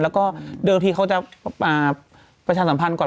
แล้วก็เดิมทีเขาจะประชาสัมพันธ์ก่อน